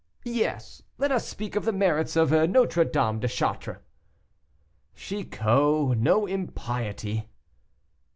"Yes, let us speak of the merits of Nôtre Dame de Chartres." "Chicot, no impiety."